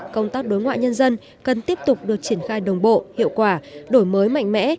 công tác đối ngoại nhân dân cần tiếp tục được triển khai đồng bộ hiệu quả đổi mới mạnh mẽ